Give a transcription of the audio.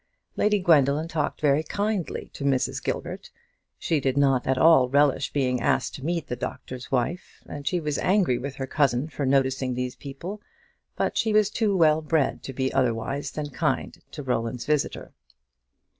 Lady Gwendoline talked very kindly to Mrs. Gilbert. She did not at all relish being asked to meet the Doctor's Wife, and she was angry with her cousin for noticing these people; but she was too well bred to be otherwise than kind to Roland's visitor.